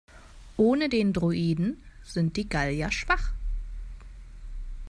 Ohne den Druiden sind die Gallier schwach.